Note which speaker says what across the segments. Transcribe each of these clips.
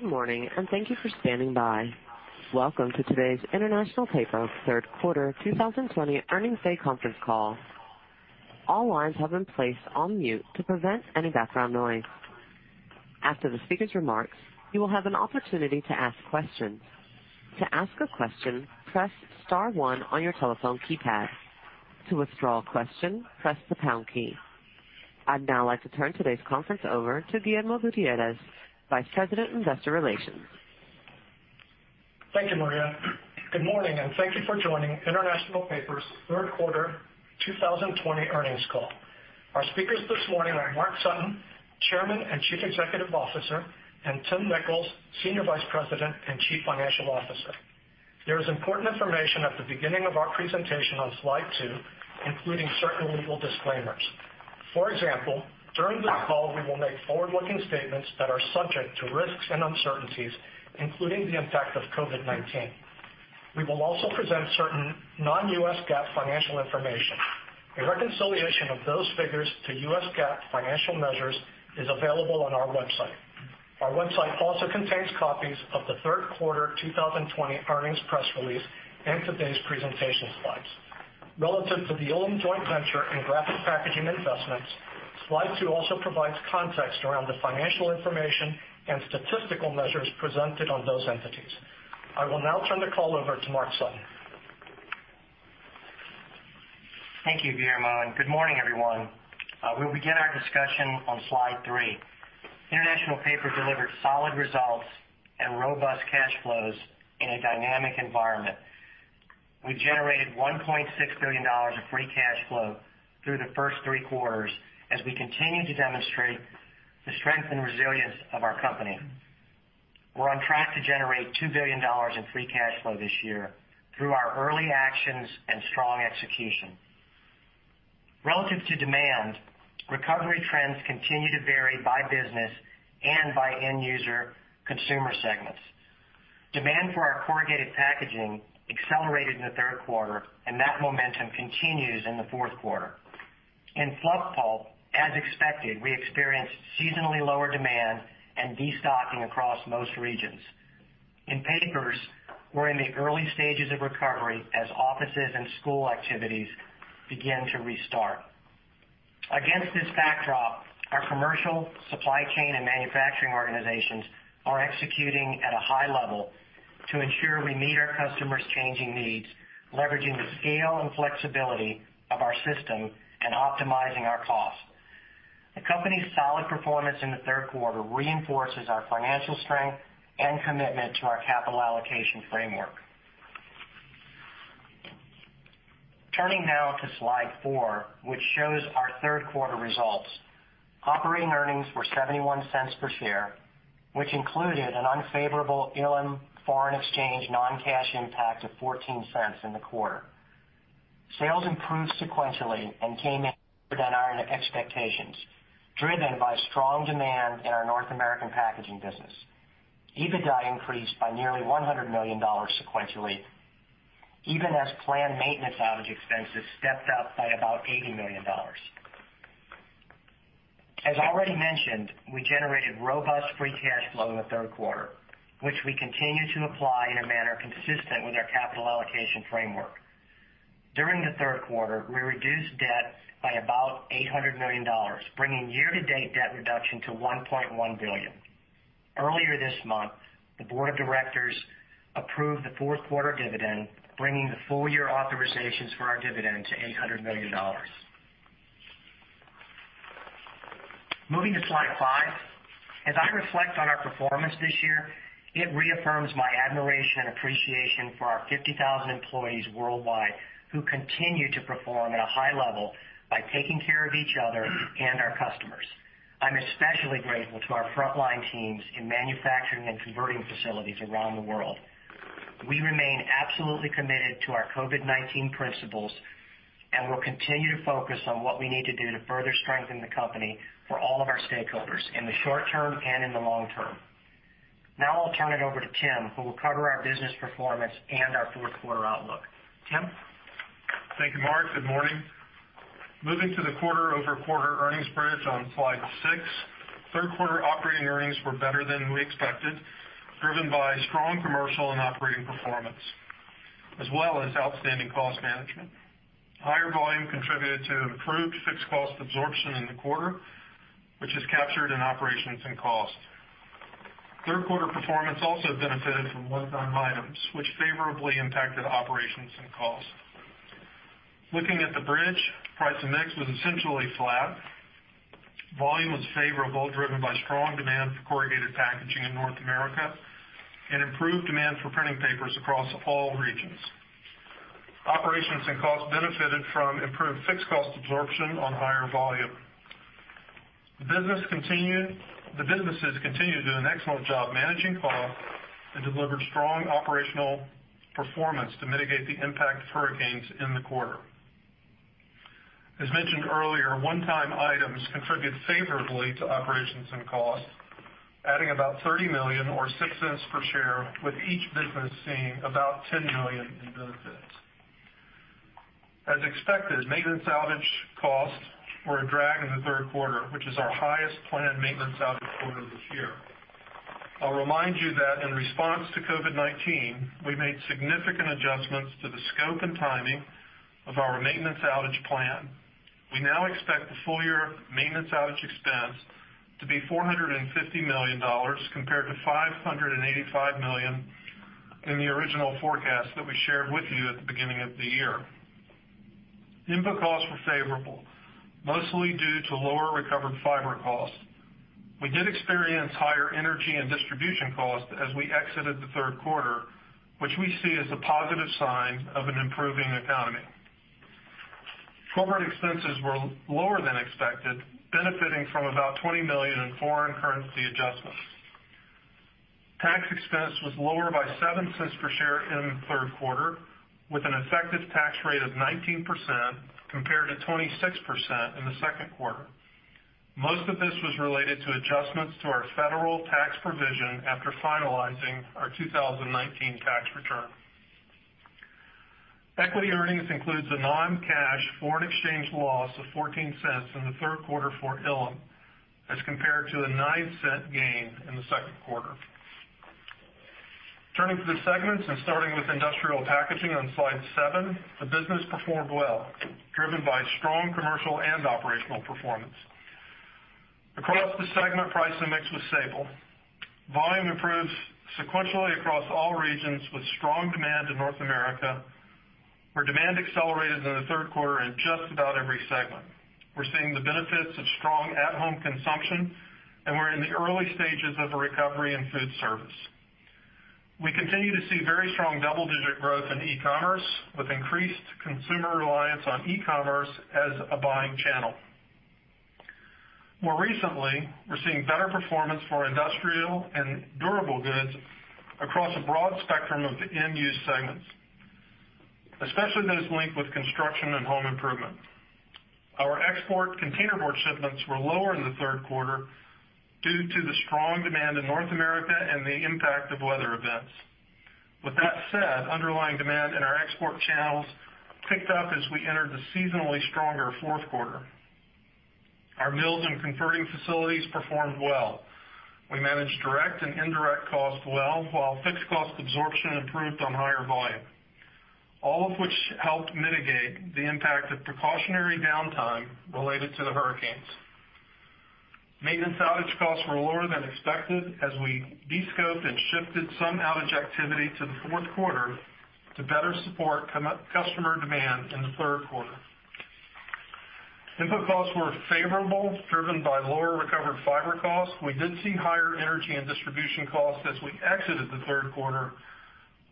Speaker 1: Good morning, and thank you for standing by. Welcome to today's International Paper Third Quarter 2020 Earnings Day Conference Call. All lines have been placed on mute to prevent any background noise. After the speaker's remarks, you will have an opportunity to ask questions. To ask a question, press star one on your telephone keypad. To withdraw a question, press the pound key. I'd now like to turn today's conference over to Guillermo Gutierrez, Vice President, Investor Relations.
Speaker 2: Thank you, Maria. Good morning, and thank you for joining International Paper's Third Quarter 2020 Earnings Call. Our speakers this morning are Mark Sutton, Chairman and Chief Executive Officer, and Tim Nicholls, Senior Vice President and Chief Financial Officer. There is important information at the beginning of our presentation on Slide 2, including certain legal disclaimers. For example, during this call, we will make forward-looking statements that are subject to risks and uncertainties, including the impact of COVID-19. We will also present certain non-U.S. GAAP financial information. A reconciliation of those figures to U.S. GAAP financial measures is available on our website. Our website also contains copies of the Third Quarter 2020 Earnings Press Release and today's presentation Slides. Relative to the Ilim Joint Venture and Graphic Packaging Investments, Slide 2 also provides context around the financial information and statistical measures presented on those entities. I will now turn the call over to Mark Sutton.
Speaker 3: Thank you, Guillermo, and good morning, everyone. We'll begin our discussion on Slide 3. International Paper delivered solid results and robust cash flows in a dynamic environment. We generated $1.6 billion of free cash flow through the first three quarters as we continue to demonstrate the strength and resilience of our company. We're on track to generate $2 billion in free cash flow this year through our early actions and strong execution. Relative to demand, recovery trends continue to vary by business and by end user consumer segments. Demand for our corrugated packaging accelerated in the third quarter, and that momentum continues in the fourth quarter. In fluff pulp, as expected, we experienced seasonally lower demand and destocking across most regions. In papers, we're in the early stages of recovery as offices and school activities begin to restart. Against this backdrop, our commercial, supply chain, and manufacturing organizations are executing at a high level to ensure we meet our customers' changing needs, leveraging the scale and flexibility of our system, and optimizing our costs. The company's solid performance in the third quarter reinforces our financial strength and commitment to our capital allocation framework. Turning now to Slide 4, which shows our third quarter results. Operating earnings were $0.71 per share, which included an unfavorable Ilim foreign exchange non-cash impact of $0.14 in the quarter. Sales improved sequentially and came in better than our expectations, driven by strong demand in our North American packaging business. EBITDA increased by nearly $100 million sequentially, even as planned maintenance outage expenses stepped up by about $80 million. As already mentioned, we generated robust free cash flow in the third quarter, which we continue to apply in a manner consistent with our capital allocation framework. During the third quarter, we reduced debt by about $800 million, bringing year-to-date debt reduction to $1.1 billion. Earlier this month, the board of directors approved the fourth quarter dividend, bringing the full year authorizations for our dividend to $800 million. Moving to Slide 5, as I reflect on our performance this year, it reaffirms my admiration and appreciation for our 50,000 employees worldwide who continue to perform at a high level by taking care of each other and our customers. I'm especially grateful to our frontline teams in manufacturing and converting facilities around the world. We remain absolutely committed to our COVID-19 principles and will continue to focus on what we need to do to further strengthen the company for all of our stakeholders in the short term and in the long term. Now I'll turn it over to Tim, who will cover our business performance and our fourth quarter outlook. Tim.
Speaker 4: Thank you, Mark. Good morning. Moving to the quarter-over-quarter earnings bridge on Slide 6, third quarter operating earnings were better than we expected, driven by strong commercial and operating performance, as well as outstanding cost management. Higher volume contributed to improved fixed cost absorption in the quarter, which is captured in operations and cost. Third quarter performance also benefited from one-time items, which favorably impacted operations and cost. Looking at the bridge, price and mix was essentially flat. Volume was favorable, driven by strong demand for corrugated packaging in North America and improved demand for Printing Papers across all regions. Operations and cost benefited from improved fixed cost absorption on higher volume. The businesses continued to do an excellent job managing cost and delivered strong operational performance to mitigate the impact of hurricanes in the quarter. As mentioned earlier, one-time items contributed favorably to operations and cost, adding about $30 million or $0.06 per share, with each business seeing about $10 million in benefits. As expected, maintenance outage costs were a drag in the third quarter, which is our highest planned maintenance outage quarter this year. I'll remind you that in response to COVID-19, we made significant adjustments to the scope and timing of our maintenance outage plan. We now expect the full year maintenance outage expense to be $450 million compared to $585 million in the original forecast that we shared with you at the beginning of the year. Input costs were favorable, mostly due to lower recovered fiber costs. We did experience higher energy and distribution costs as we exited the third quarter, which we see as a positive sign of an improving economy. Corporate expenses were lower than expected, benefiting from about $20 million in foreign currency adjustments. Tax expense was lower by $0.07 per share in the third quarter, with an effective tax rate of 19% compared to 26% in the second quarter. Most of this was related to adjustments to our federal tax provision after finalizing our 2019 tax return. Equity earnings include the non-cash foreign exchange loss of $0.14 in the third quarter for Ilim, as compared to a $0.09 gain in the second quarter. Turning to the segments and starting with Industrial Packaging on Slide 7, the business performed well, driven by strong commercial and operational performance. Across the segment, price and mix was stable. Volume improves sequentially across all regions, with strong demand in North America. Our demand accelerated in the third quarter in just about every segment. We're seeing the benefits of strong at-home consumption, and we're in the early stages of a recovery in food service. We continue to see very strong double-digit growth in e-commerce, with increased consumer reliance on e-commerce as a buying channel. More recently, we're seeing better performance for industrial and durable goods across a broad spectrum of end-use segments, especially those linked with construction and home improvement. Our export containerboard shipments were lower in the third quarter due to the strong demand in North America and the impact of weather events. With that said, underlying demand in our export channels picked up as we entered the seasonally stronger fourth quarter. Our mills and converting facilities performed well. We managed direct and indirect costs well, while fixed cost absorption improved on higher volume, all of which helped mitigate the impact of precautionary downtime related to the hurricanes. Maintenance outage costs were lower than expected as we descoped and shifted some outage activity to the fourth quarter to better support customer demand in the third quarter. Input costs were favorable, driven by lower recovered fiber costs. We did see higher energy and distribution costs as we exited the third quarter,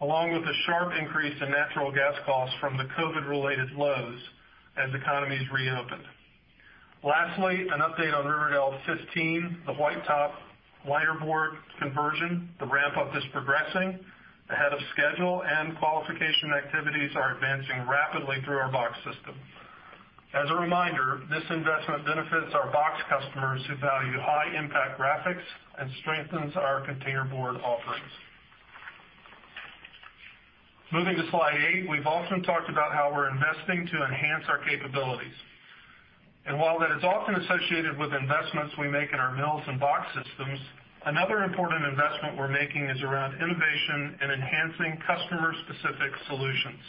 Speaker 4: along with a sharp increase in natural gas costs from the COVID-related lows as economies reopened. Lastly, an update on Riverdale 15, the white top linerboard conversion. The ramp-up is progressing ahead of schedule, and qualification activities are advancing rapidly through our box system. As a reminder, this investment benefits our box customers who value high-impact graphics and strengthens our containerboard offerings. Moving to Slide 8, we've often talked about how we're investing to enhance our capabilities. While that is often associated with investments we make in our mills and box systems, another important investment we're making is around innovation and enhancing customer-specific solutions.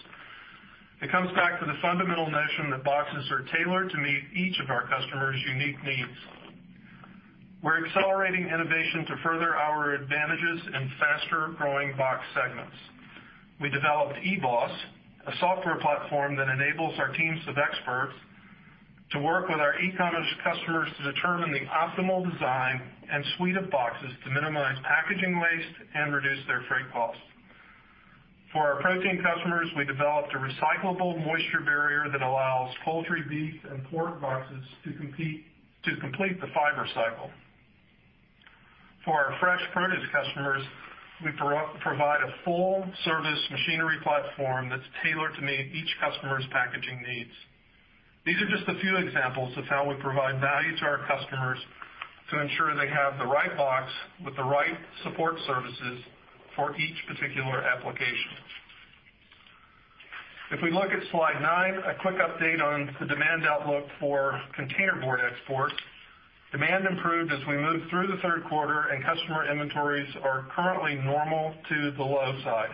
Speaker 4: It comes back to the fundamental notion that boxes are tailored to meet each of our customers' unique needs. We're accelerating innovation to further our advantages in faster-growing box segments. We developed eBOS, a software platform that enables our teams of experts to work with our e-commerce customers to determine the optimal design and suite of boxes to minimize packaging waste and reduce their freight costs. For our protein customers, we developed a recyclable moisture barrier that allows poultry, beef, and pork boxes to complete the fiber cycle. For our fresh produce customers, we provide a full-service machinery platform that's tailored to meet each customer's packaging needs. These are just a few examples of how we provide value to our customers to ensure they have the right box with the right support services for each particular application. If we look at Slide 9, a quick update on the demand outlook for containerboard exports. Demand improved as we moved through the third quarter, and customer inventories are currently normal to the low side.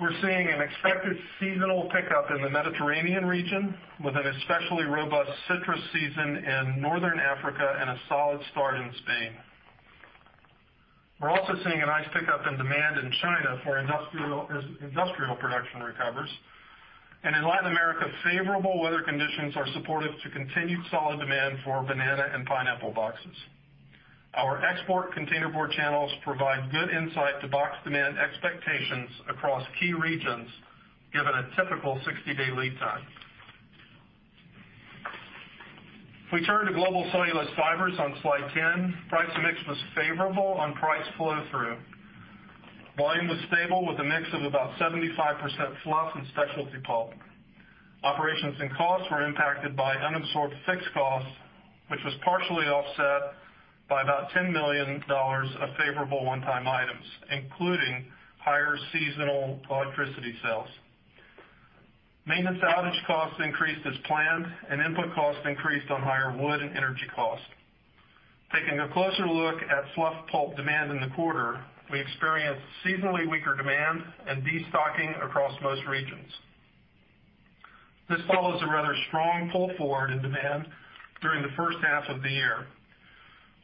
Speaker 4: We're seeing an expected seasonal pickup in the Mediterranean region, with an especially robust citrus season in Northern Africa and a solid start in Spain. We're also seeing a nice pickup in demand in China as industrial production recovers. And in Latin America, favorable weather conditions are supportive to continued solid demand for banana and pineapple boxes. Our export containerboard channels provide good insight to box demand expectations across key regions, given a typical 60-day lead time. If we turn to Global Cellulose Fibers on Slide 10, price and mix was favorable on price flow-through. Volume was stable with a mix of about 75% fluff and specialty pulp. Operations and costs were impacted by unabsorbed fixed costs, which was partially offset by about $10 million of favorable one-time items, including higher seasonal electricity sales. Maintenance outage costs increased as planned, and input costs increased on higher wood and energy costs. Taking a closer look at fluff pulp demand in the quarter, we experienced seasonally weaker demand and destocking across most regions. This follows a rather strong pull forward in demand during the first half of the year.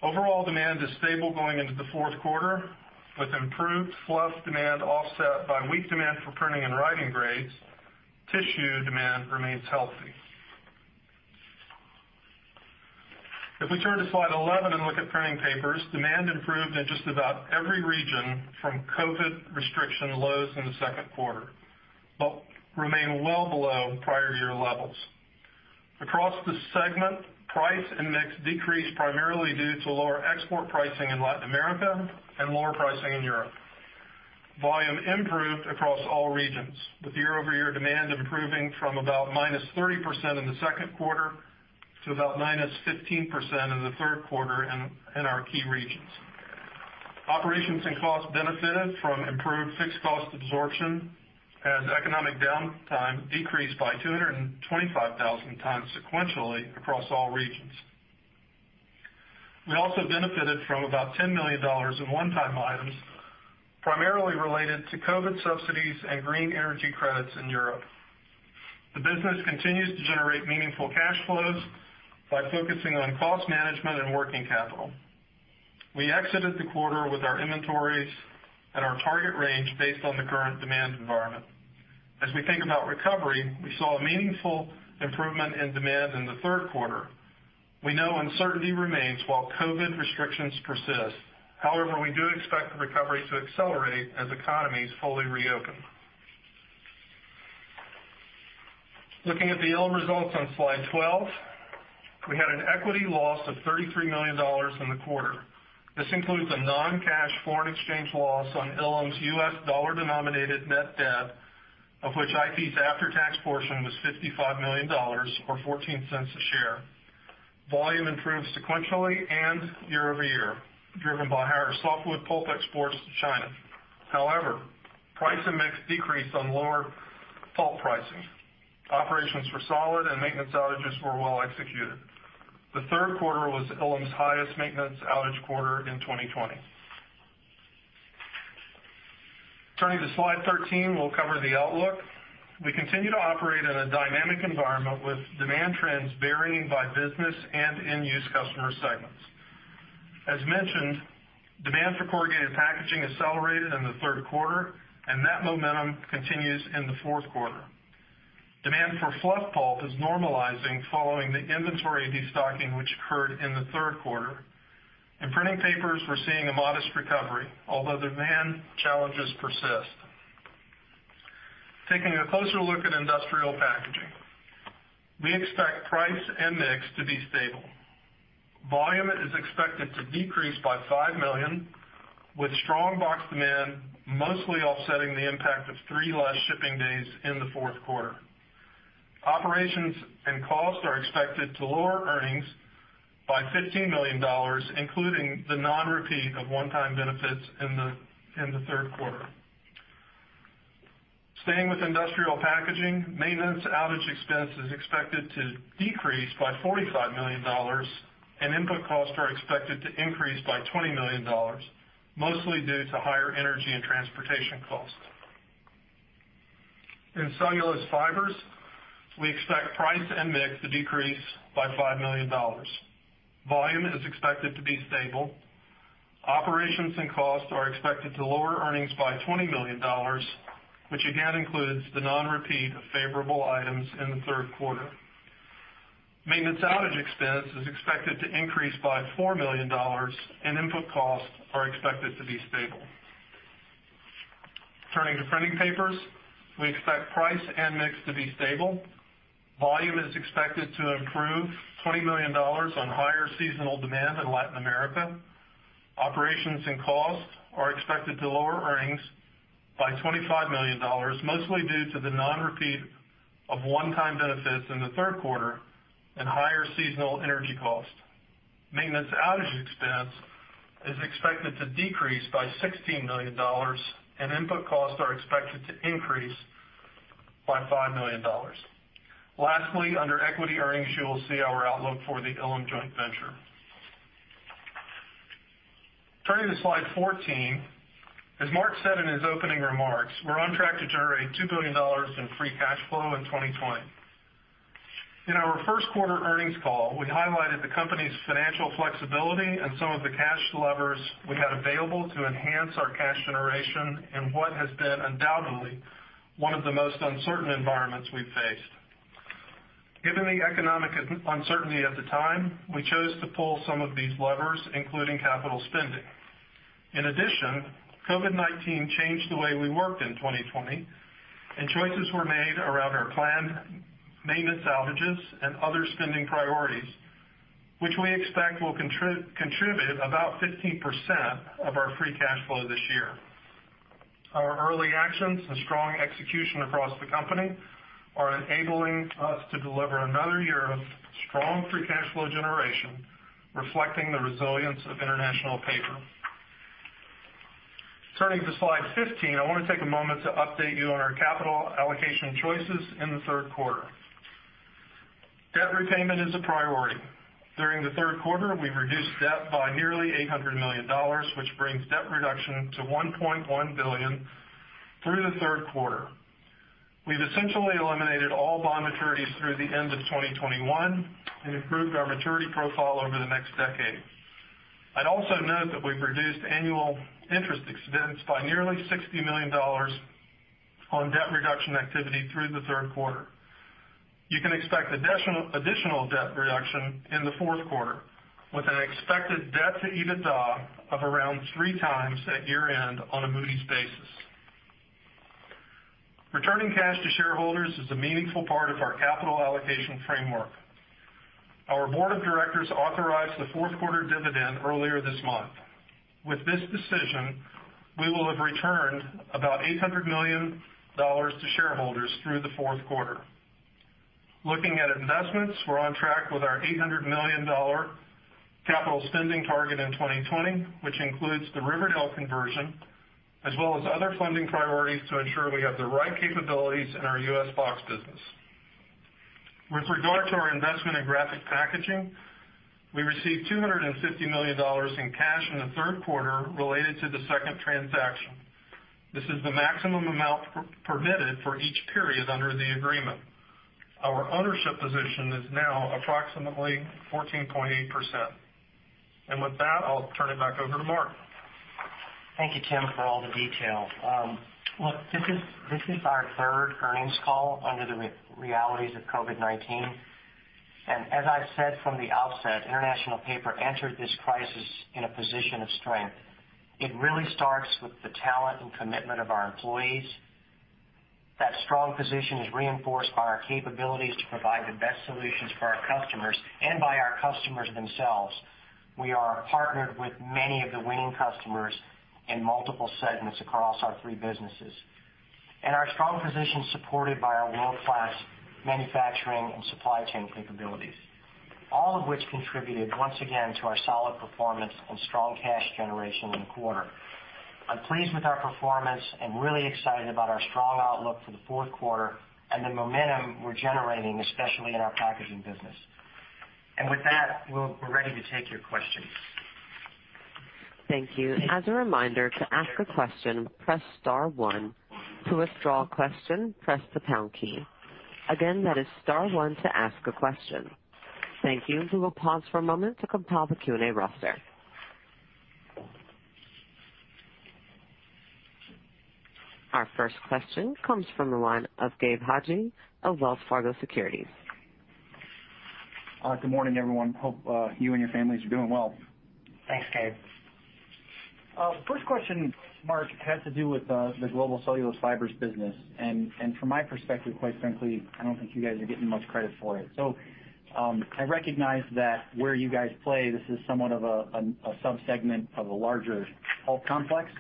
Speaker 4: Overall demand is stable going into the fourth quarter, with improved fluff demand offset by weak demand for printing and writing grades. Tissue demand remains healthy. If we turn to Slide 11 and look at Printing Papers, demand improved in just about every region from COVID restriction lows in the second quarter, but remained well below prior year levels. Across the segment, price and mix decreased primarily due to lower export pricing in Latin America and lower pricing in Europe. Volume improved across all regions, with year-over-year demand improving from about minus 30% in the second quarter to about minus 15% in the third quarter in our key regions. Operations and costs benefited from improved fixed cost absorption as economic downtime decreased by 225,000 tons sequentially across all regions. We also benefited from about $10 million in one-time items, primarily related to COVID subsidies and green energy credits in Europe. The business continues to generate meaningful cash flows by focusing on cost management and working capital. We exited the quarter with our inventories and our target range based on the current demand environment. As we think about recovery, we saw a meaningful improvement in demand in the third quarter. We know uncertainty remains while COVID-19 restrictions persist. However, we do expect the recovery to accelerate as economies fully reopen. Looking at the Ilim results on Slide 12, we had an equity loss of $33 million in the quarter. This includes a non-cash foreign exchange loss on Ilim's U.S. dollar-denominated net debt, of which IP's after-tax portion was $55 million, or $0.14 a share. Volume improved sequentially and year-over-year, driven by higher softwood pulp exports to China. However, price and mix decreased on lower pulp pricing. Operations were solid, and maintenance outages were well executed. The third quarter was Ilim's highest maintenance outage quarter in 2020. Turning to Slide 13, we'll cover the outlook. We continue to operate in a dynamic environment with demand trends varying by business and end-use customer segments. As mentioned, demand for corrugated packaging accelerated in the third quarter, and that momentum continues in the fourth quarter. Demand for fluff pulp is normalizing following the inventory destocking, which occurred in the third quarter. In Printing Papers, we're seeing a modest recovery, although the demand challenges persist. Taking a closer look at Industrial Packaging, we expect price and mix to be stable. Volume is expected to decrease by 5 million, with strong box demand mostly offsetting the impact of three less shipping days in the fourth quarter. Operations and costs are expected to lower earnings by $15 million, including the non-repeat of one-time benefits in the third quarter. Staying with Industrial Packaging, maintenance outage expense is expected to decrease by $45 million, and input costs are expected to increase by $20 million, mostly due to higher energy and transportation costs. In cellulose fibers, we expect price and mix to decrease by $5 million. Volume is expected to be stable. Operations and costs are expected to lower earnings by $20 million, which again includes the non-repeat of favorable items in the third quarter. Maintenance outage expense is expected to increase by $4 million, and input costs are expected to be stable. Turning to Printing Papers, we expect price and mix to be stable. Volume is expected to improve $20 million on higher seasonal demand in Latin America. Operations and costs are expected to lower earnings by $25 million, mostly due to the non-repeat of one-time benefits in the third quarter and higher seasonal energy costs. Maintenance outage expense is expected to decrease by $16 million, and input costs are expected to increase by $5 million. Lastly, under equity earnings, you will see our outlook for the Ilim joint venture. Turning to Slide 14, as Mark said in his opening remarks, we're on track to generate $2 billion in free cash flow in 2020. In our first quarter earnings call, we highlighted the company's financial flexibility and some of the cash levers we had available to enhance our cash generation in what has been undoubtedly one of the most uncertain environments we've faced. Given the economic uncertainty at the time, we chose to pull some of these levers, including capital spending. In addition, COVID-19 changed the way we worked in 2020, and choices were made around our planned maintenance outages and other spending priorities, which we expect will contribute about 15% of our free cash flow this year. Our early actions and strong execution across the company are enabling us to deliver another year of strong free cash flow generation, reflecting the resilience of International Paper. Turning to Slide 15, I want to take a moment to update you on our capital allocation choices in the third quarter. Debt repayment is a priority. During the third quarter, we reduced debt by nearly $800 million, which brings debt reduction to $1.1 billion through the third quarter. We've essentially eliminated all bond maturities through the end of 2021 and improved our maturity profile over the next decade. I'd also note that we've reduced annual interest expense by nearly $60 million on debt reduction activity through the third quarter. You can expect additional debt reduction in the fourth quarter, with an expected debt-to-EBITDA of around three times at year-end on a Moody's basis. Returning cash to shareholders is a meaningful part of our capital allocation framework. Our board of directors authorized the fourth quarter dividend earlier this month. With this decision, we will have returned about $800 million to shareholders through the fourth quarter. Looking at investments, we're on track with our $800 million capital spending target in 2020, which includes the Riverdale conversion, as well as other funding priorities to ensure we have the right capabilities in our U.S. box business. With regard to our investment in Graphic Packaging, we received $250 million in cash in the third quarter related to the second transaction. This is the maximum amount permitted for each period under the agreement. Our ownership position is now approximately 14.8%. And with that, I'll turn it back over to Mark.
Speaker 3: Thank you, Tim, for all the detail. Look, this is our third earnings call under the realities of COVID-19. And as I said from the outset, International Paper entered this crisis in a position of strength. It really starts with the talent and commitment of our employees. That strong position is reinforced by our capabilities to provide the best solutions for our customers and by our customers themselves. We are partnered with many of the winning customers in multiple segments across our three businesses. And our strong position is supported by our world-class manufacturing and supply chain capabilities, all of which contributed once again to our solid performance and strong cash generation in the quarter. I'm pleased with our performance and really excited about our strong outlook for the fourth quarter and the momentum we're generating, especially in our packaging business. And with that, we're ready to take your questions.
Speaker 1: Thank you. As a reminder, to ask a question, press star one. To withdraw a question, press the pound key. Again, that is star one to ask a question. Thank you. We will pause for a moment to compile the Q&A roster. Our first question comes from the line of Gabriel Hajde of Wells Fargo Securities.
Speaker 5: Good morning, everyone. Hope you and your families are doing well.
Speaker 2: Thanks, Gabriel.
Speaker 5: First question, Mark, has to do with the Global Cellulose Fibers business. And from my perspective, quite frankly, I don't think you guys are getting much credit for it. So I recognize that where you guys play, this is somewhat of a subsegment of a larger pulp complex.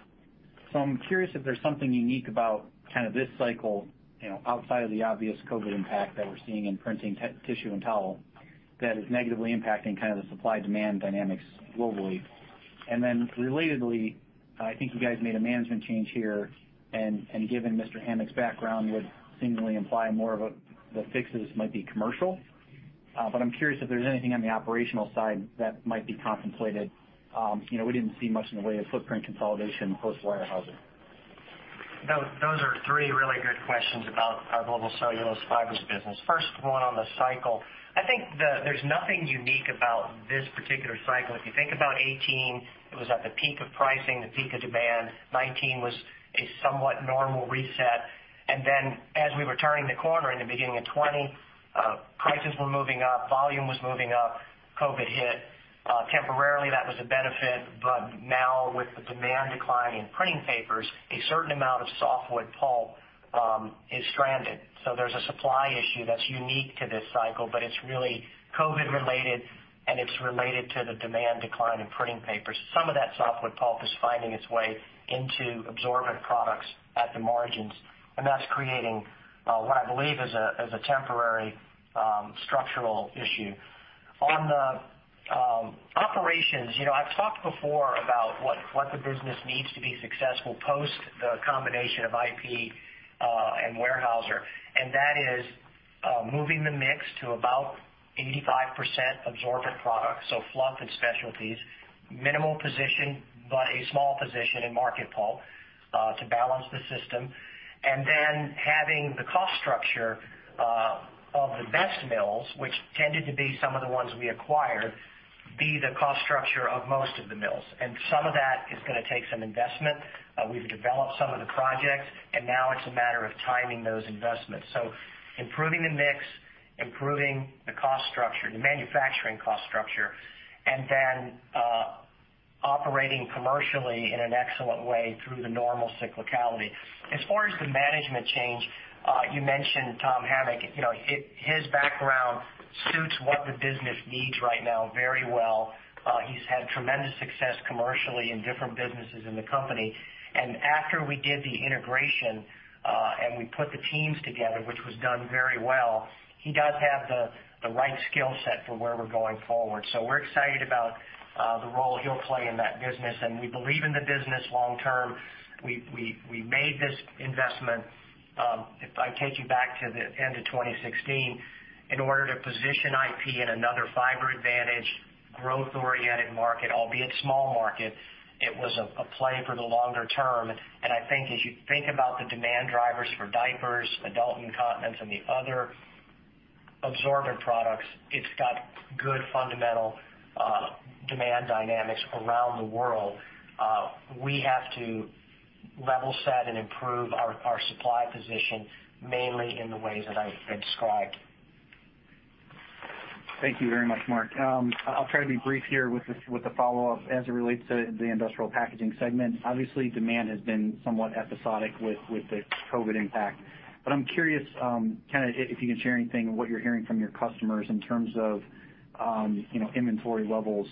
Speaker 5: So I'm curious if there's something unique about kind of this cycle outside of the obvious COVID impact that we're seeing in printing tissue and towel that is negatively impacting kind of the supply-demand dynamics globally? And then relatedly, I think you guys made a management change here. And given Mr. Hamic's background would seemingly imply more of the fixes might be commercial. But I'm curious if there's anything on the operational side that might be contemplated? We didn't see much in the way of footprint consolidation post-Weyerhaeuser.
Speaker 3: Those are three really good questions about our Global Cellulose Fibers business. First, one on the cycle. I think there's nothing unique about this particular cycle. If you think about 2018, it was at the peak of pricing, the peak of demand. 2019 was a somewhat normal reset. And then as we were turning the corner in the beginning of 2020, prices were moving up, volume was moving up, COVID hit. Temporarily, that was a benefit. But now, with the demand decline in Printing Papers, a certain amount of softwood pulp is stranded. So there's a supply issue that's unique to this cycle, but it's really COVID-related, and it's related to the demand decline in Printing Papers. Some of that softwood pulp is finding its way into absorbent products at the margins. And that's creating what I believe is a temporary structural issue. On the operations, I've talked before about what the business needs to be successful post the combination of IP and Weyerhaeuser. And that is moving the mix to about 85% absorbent products, so fluff and specialties, minimal position, but a small position in market pulp to balance the system. And then having the cost structure of the best mills, which tended to be some of the ones we acquired, be the cost structure of most of the mills. And some of that is going to take some investment. We've developed some of the projects, and now it's a matter of timing those investments. So improving the mix, improving the cost structure, the manufacturing cost structure, and then operating commercially in an excellent way through the normal cyclicality. As far as the management change, you mentioned Tom Hamic. His background suits what the business needs right now very well. He's had tremendous success commercially in different businesses in the company. And after we did the integration and we put the teams together, which was done very well, he does have the right skill set for where we're going forward. So we're excited about the role he'll play in that business. And we believe in the business long term. We made this investment. If I take you back to the end of 2016, in order to position IP in another fiber-advantaged, growth-oriented market, albeit small market, it was a play for the longer term. And I think as you think about the demand drivers for diapers, adult incontinence, and the other absorbent products, it's got good fundamental demand dynamics around the world. We have to level set and improve our supply position mainly in the ways that I've described.
Speaker 5: Thank you very much, Mark. I'll try to be brief here with the follow-up as it relates to the Industrial Packaging segment. Obviously, demand has been somewhat episodic with the COVID impact. But I'm curious kind of if you can share anything of what you're hearing from your customers in terms of inventory levels.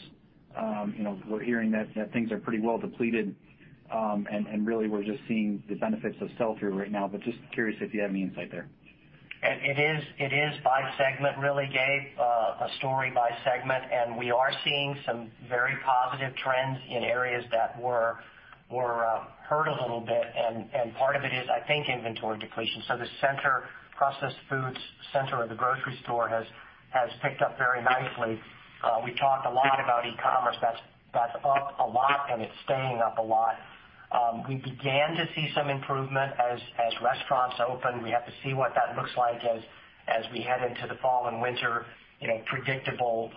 Speaker 5: We're hearing that things are pretty well depleted, and really we're just seeing the benefits of sell-through right now. But just curious if you have any insight there.
Speaker 3: It is by segment, really, Gabriel, a story by segment. And we are seeing some very positive trends in areas that were hurt a little bit. And part of it is, I think, inventory depletion. So the center, processed foods center of the grocery store has picked up very nicely. We talked a lot about e-commerce. That's up a lot, and it's staying up a lot. We began to see some improvement as restaurants open. We have to see what that looks like as we head into the fall and winter, predictable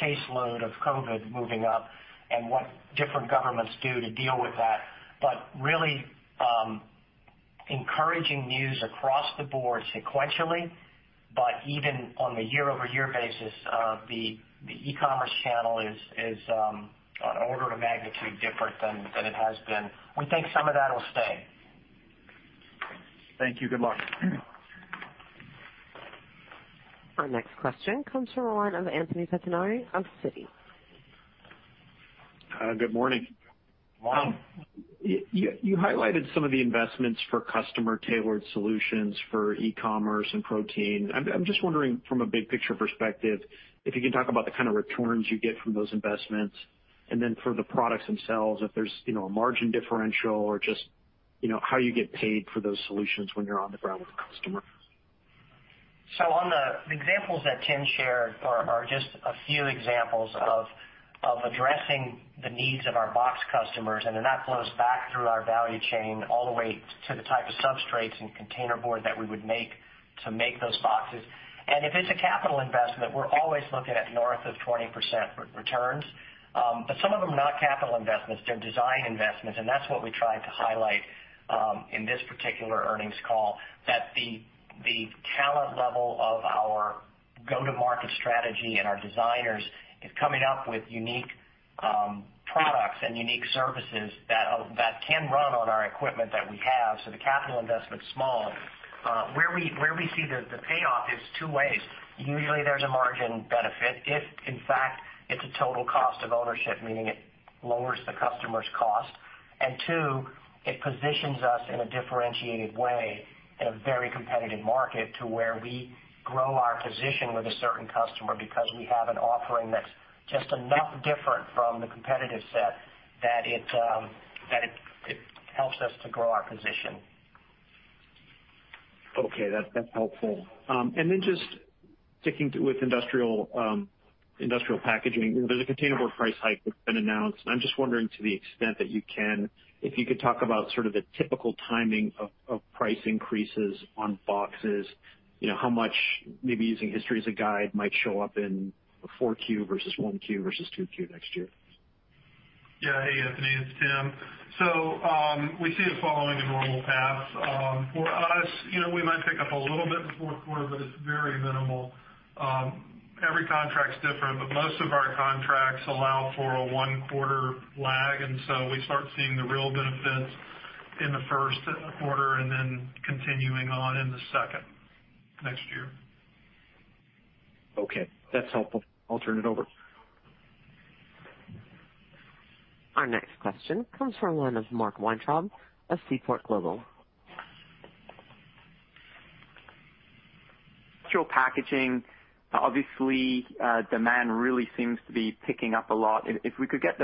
Speaker 3: caseload of COVID moving up and what different governments do to deal with that. But really encouraging news across the board sequentially, but even on the year-over-year basis, the e-commerce channel is an order of magnitude different than it has been. We think some of that will stay.
Speaker 5: Thank you. Good luck.
Speaker 1: Our next question comes from the line of Anthony Pettinari of Citi.
Speaker 6: Good morning. Good morning. You highlighted some of the investments for customer-tailored solutions for e-commerce and protein. I'm just wondering from a big-picture perspective, if you can talk about the kind of returns you get from those investments. And then for the products themselves, if there's a margin differential or just how you get paid for those solutions when you're on the ground with the customer.
Speaker 3: So the examples that Tim shared are just a few examples of addressing the needs of our box customers. And then that flows back through our value chain all the way to the type of substrates and containerboard that we would make to make those boxes. And if it's a capital investment, we're always looking at north of 20% returns. But some of them are not capital investments. They're design investments. And that's what we tried to highlight in this particular earnings call, that the talent level of our go-to-market strategy and our designers is coming up with unique products and unique services that can run on our equipment that we have. So the capital investment's small. Where we see the payoff is two ways. Usually, there's a margin benefit if, in fact, it's a total cost of ownership, meaning it lowers the customer's cost. And two, it positions us in a differentiated way in a very competitive market to where we grow our position with a certain customer because we have an offering that's just enough different from the competitive set that it helps us to grow our position.
Speaker 6: Okay. That's helpful. And then just sticking with Industrial Packaging, there's a containerboard price hike that's been announced. And I'm just wondering to the extent that you can, if you could talk about sort of the typical timing of price increases on boxes, how much maybe using history as a guide might show up in a 4Q versus 1Q versus 2Q next year.
Speaker 4: Yeah. Hey, Anthony. It's Tim. So we see it following a normal path. For us, we might pick up a little bit in the fourth quarter, but it's very minimal. Every contract's different, but most of our contracts allow for a one-quarter lag, and so we start seeing the real benefits in the first quarter and then continuing on in the second next year.
Speaker 6: Okay. That's helpful. I'll turn it over.
Speaker 1: Our next question comes from the line of Mark Weintraub of Seaport Research.
Speaker 7: Industrial Packaging, obviously, demand really seems to be picking up a lot. If we could get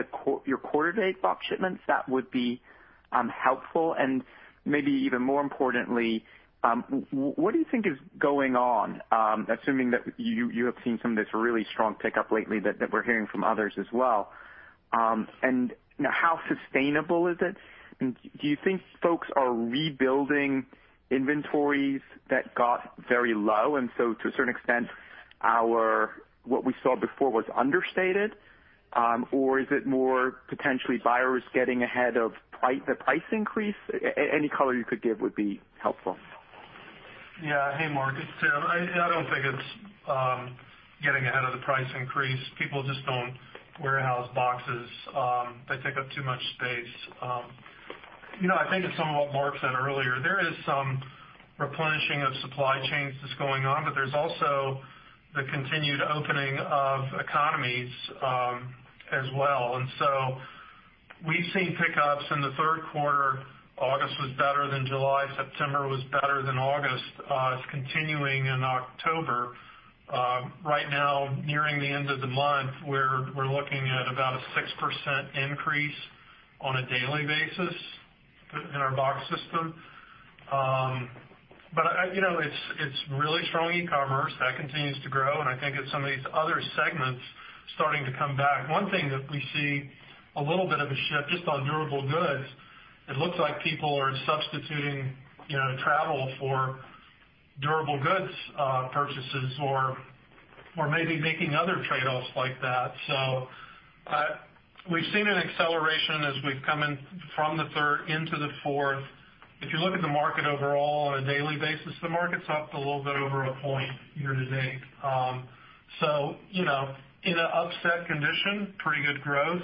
Speaker 7: your quarter-to-date box shipments, that would be helpful, and maybe even more importantly, what do you think is going on, assuming that you have seen some of this really strong pickup lately that we're hearing from others as well? And how sustainable is it? Do you think folks are rebuilding inventories that got very low and so to a certain extent what we saw before was understated? Or is it more potentially buyers getting ahead of the price increase? Any color you could give would be helpful.
Speaker 4: Yeah. Hey, Mark. It's Tim. I don't think it's getting ahead of the price increase. People just don't warehouse boxes. They take up too much space. I think it's some of what Mark said earlier. There is some replenishing of supply chains that's going on, but there's also the continued opening of economies as well, and so we've seen pickups in the third quarter. August was better than July. September was better than August. It's continuing in October. Right now, nearing the end of the month, we're looking at about a 6% increase on a daily basis in our box system, but it's really strong e-commerce. That continues to grow, and I think it's some of these other segments starting to come back. One thing that we see a little bit of a shift just on durable goods. It looks like people are substituting travel for durable goods purchases or maybe making other trade-offs like that. So we've seen an acceleration as we've come in from the third into the fourth. If you look at the market overall on a daily basis, the market's up a little bit over a point year to date. So in an upset condition, pretty good growth.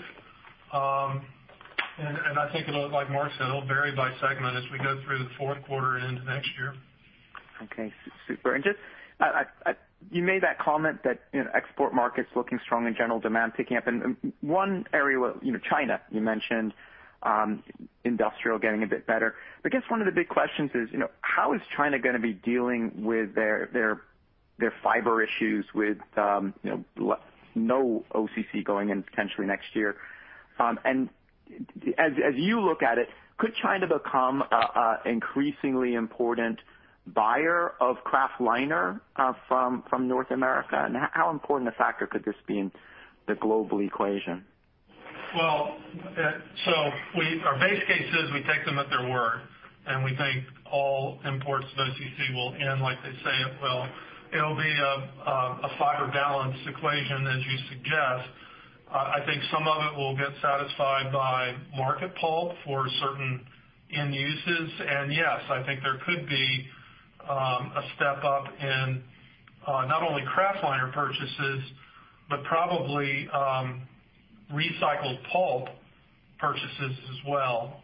Speaker 4: And I think, like Mark said, it'll vary by segment as we go through the fourth quarter and into next year.
Speaker 7: Okay. Super. And you made that comment that export markets looking strong and general demand picking up. And one area, China, you mentioned industrial getting a bit better. I guess one of the big questions is, how is China going to be dealing with their fiber issues with no OCC going in potentially next year? As you look at it, could China become an increasingly important buyer of kraft liner from North America? How important a factor could this be in the global equation?
Speaker 4: Our base case is we take them at their word. We think all imports of OCC will end like they say it will. It'll be a fiber balance equation, as you suggest. I think some of it will get satisfied by market pulp for certain end uses. Yes, I think there could be a step up in not only kraft liner purchases, but probably recycled pulp purchases as well.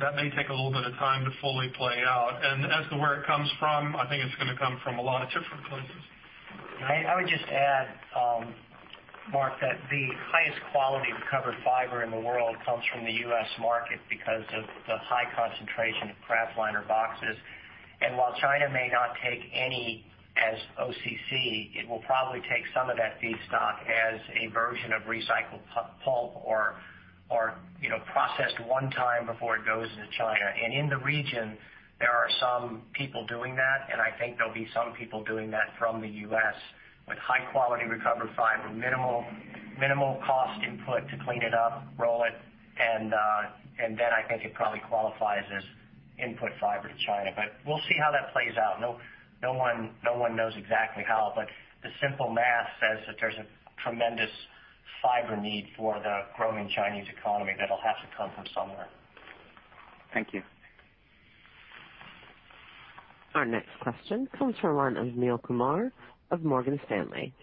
Speaker 4: That may take a little bit of time to fully play out. And as to where it comes from, I think it's going to come from a lot of different places.
Speaker 3: I would just add, Mark, that the highest quality of recovered fiber in the world comes from the U.S. market because of the high concentration of kraft liner boxes. And while China may not take any as OCC, it will probably take some of that feedstock as a version of recycled pulp or processed one time before it goes into China. And in the region, there are some people doing that. And I think there'll be some people doing that from the U.S. with high-quality recovered fiber, minimal cost input to clean it up, roll it. And then I think it probably qualifies as input fiber to China. But we'll see how that plays out. No one knows exactly how. But the simple math says that there's a tremendous fiber need for the growing Chinese economy that'll have to come from somewhere.
Speaker 7: Thank you.
Speaker 1: Our next question comes from the line of Neel Kumar of Morgan Stanley.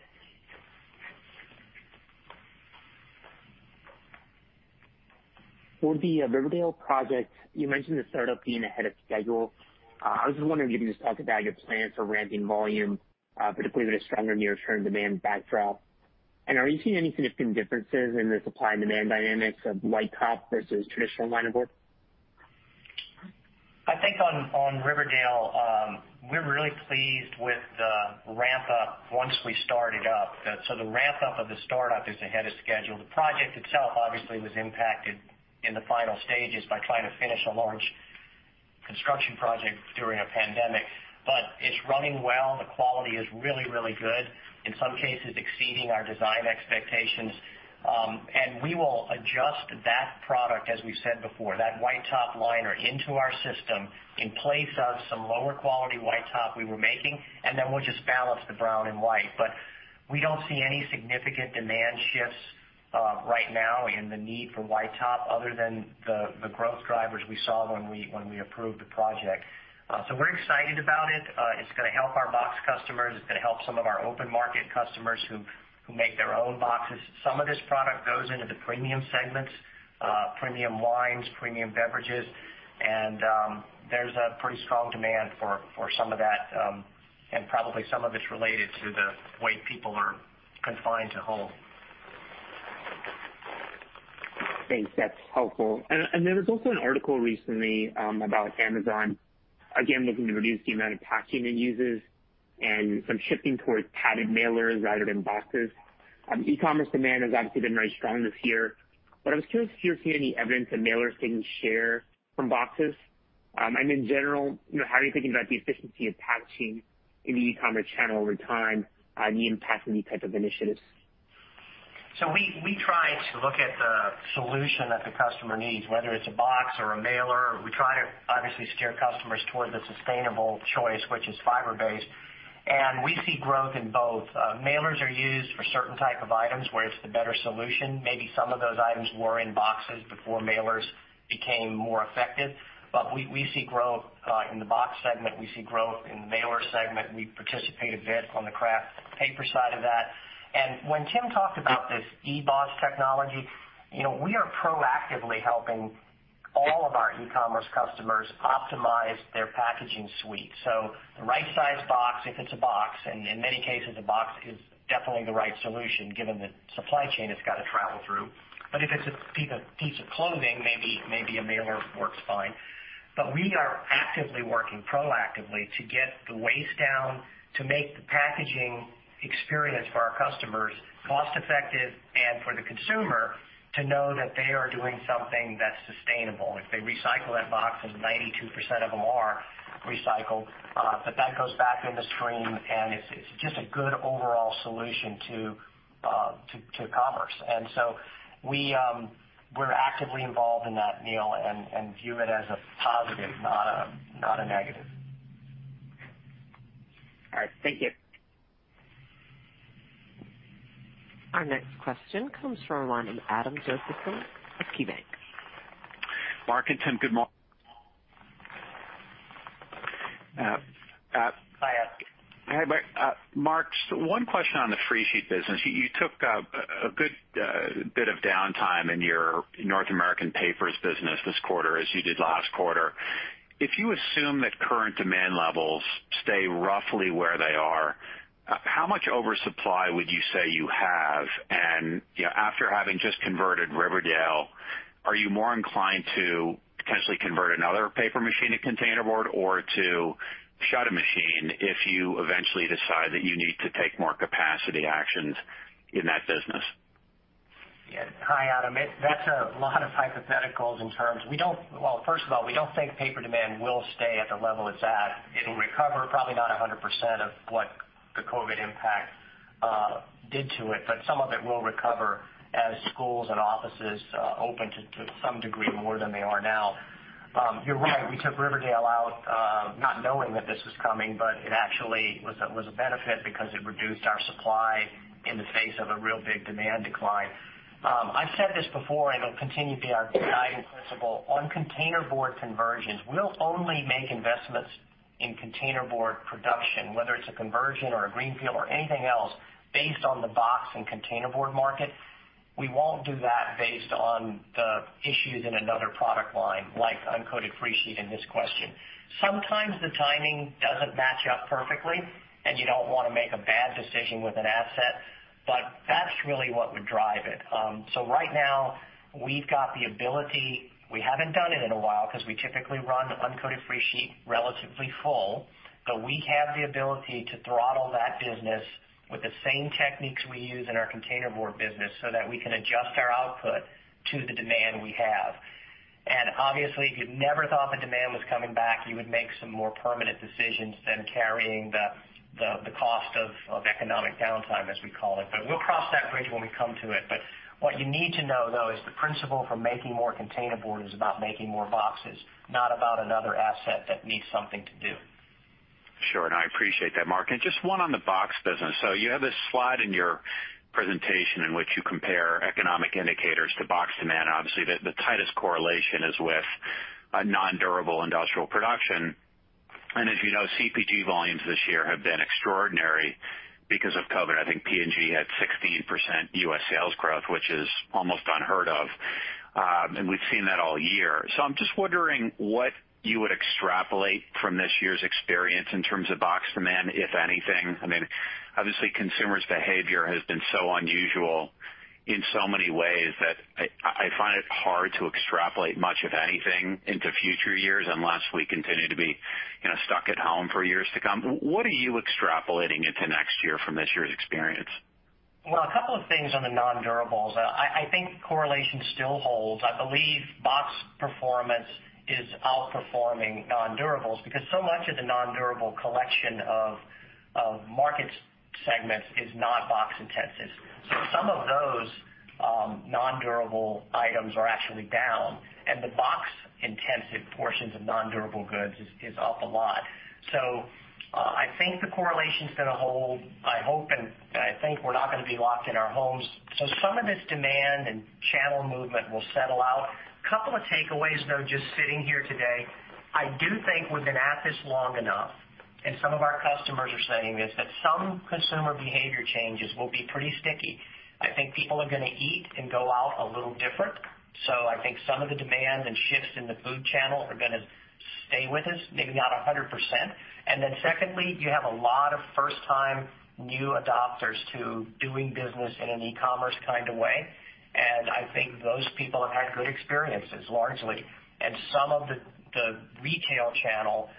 Speaker 1: For the Riverdale project, you mentioned the startup being ahead of schedule. I was just wondering if you could just talk about your plans for ramping volume, particularly with a stronger near-term demand backdrop. And are you seeing any significant differences in the supply and demand dynamics of white top versus traditional liner?
Speaker 3: I think on Riverdale, we're really pleased with the ramp-up once we started up. So the ramp-up of the startup is ahead of schedule. The project itself, obviously, was impacted in the final stages by trying to finish a large construction project during a pandemic. But it's running well. The quality is really, really good, in some cases exceeding our design expectations. And we will adjust that product, as we've said before, that white top liner into our system in place of some lower quality white top we were making. And then we'll just balance the brown and white. But we don't see any significant demand shifts right now in the need for white top other than the growth drivers we saw when we approved the project. So we're excited about it. It's going to help our box customers. It's going to help some of our open-market customers who make their own boxes. Some of this product goes into the premium segments, premium wines, premium beverages. And there's a pretty strong demand for some of that. And probably some of it's related to the way people are confined to home. Thanks. That's helpful. There was also an article recently about Amazon, again, looking to reduce the amount of packaging it uses and some shifting towards padded mailers rather than boxes. e-commerce demand has obviously been very strong this year. I was curious if you're seeing any evidence of mailers taking share from boxes. In general, how are you thinking about the efficiency of packaging in the e-commerce channel over time and the impact of these types of initiatives? We try to look at the solution that the customer needs, whether it's a box or a mailer. We try to obviously steer customers towards a sustainable choice, which is fiber-based. We see growth in both. Mailers are used for certain types of items where it's the better solution. Maybe some of those items were in boxes before mailers became more effective. We see growth in the box segment. We see growth in the mailer segment. We participate a bit on the kraft paper side of that, and when Tim talked about this eBOS technology, we are proactively helping all of our e-commerce customers optimize their packaging suite, so the right-sized box, if it's a box, and in many cases, a box is definitely the right solution given that supply chain has got to travel through, but if it's a piece of clothing, maybe a mailer works fine, but we are actively working proactively to get the waste down, to make the packaging experience for our customers cost-effective and for the consumer to know that they are doing something that's sustainable. If they recycle that box, as 92% of them are recycled, but that goes back in the stream, and it's just a good overall solution to e-commerce. And so we're actively involved in that, Neil, and view it as a positive, not a negative. All right. Thank you.
Speaker 1: Our next question comes from the line of Adam Josephson of KeyBanc. Mark and Tim, good morning. Hi. Hi, Mark. Mark, one question on the free sheet business. You took a good bit of downtime in your North American papers business this quarter as you did last quarter. If you assume that current demand levels stay roughly where they are, how much oversupply would you say you have? And after having just converted Riverdale, are you more inclined to potentially convert another paper machine to container board or to shut a machine if you eventually decide that you need to take more capacity actions in that business?
Speaker 3: Yeah. Hi, Adam. That's a lot of hypotheticals in terms of, well, first of all, we don't think paper demand will stay at the level it's at. It'll recover, probably not 100% of what the COVID impact did to it. But some of it will recover as schools and offices open to some degree more than they are now. You're right. We took Riverdale out not knowing that this was coming, but it actually was a benefit because it reduced our supply in the face of a real big demand decline. I've said this before, and it'll continue to be our guiding principle. On containerboard conversions, we'll only make investments in containerboard production, whether it's a conversion or a greenfield or anything else, based on the box and containerboard market. We won't do that based on the issues in another product line like uncoated free sheet in this question. Sometimes the timing doesn't match up perfectly, and you don't want to make a bad decision with an asset, but that's really what would drive it, so right now, we've got the ability. We haven't done it in a while because we typically run uncoated free sheet relatively full, but we have the ability to throttle that business with the same techniques we use in our containerboard business so that we can adjust our output to the demand we have, and obviously, if you'd never thought the demand was coming back, you would make some more permanent decisions than carrying the cost of economic downtime, as we call it, but we'll cross that bridge when we come to it, but what you need to know, though, is the principle for making more containerboard is about making more boxes, not about another asset that needs something to do. Sure. I appreciate that, Mark. Just one on the box business. You have this Slide in your presentation in which you compare economic indicators to box demand. Obviously, the tightest correlation is with non-durable industrial production. As you know, CPG volumes this year have been extraordinary because of COVID. I think P&G had 16% U.S. sales growth, which is almost unheard of. We've seen that all year. I'm just wondering what you would extrapolate from this year's experience in terms of box demand, if anything. I mean, obviously, consumers' behavior has been so unusual in so many ways that I find it hard to extrapolate much, if anything, into future years unless we continue to be stuck at home for years to come. What are you extrapolating into next year from this year's experience? A couple of things on the non-durables. I think correlation still holds. I believe box performance is outperforming non-durables because so much of the non-durable collection of market segments is not box intensive. So some of those non-durable items are actually down. And the box intensive portions of non-durables is up a lot. So I think the correlation's going to hold, I hope. And I think we're not going to be locked in our homes. So some of this demand and channel movement will settle out. A couple of takeaways, though, just sitting here today. I do think we've been at this long enough, and some of our customers are saying this, that some consumer behavior changes will be pretty sticky. I think people are going to eat and go out a little different. So I think some of the demand and shifts in the food channel are going to stay with us, maybe not 100%. And then secondly, you have a lot of first-time new adopters to doing business in an e-commerce kind of way. And I think those people have had good experiences, largely. And some of the retail channel